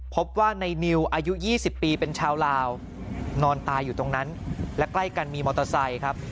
พบว่าในนิวอายุ๒๐ปีเป็นชาวลาวนอนตายอยู่ตรงนั้นและใกล้กันมีมอเตอร์ไซค์ครับ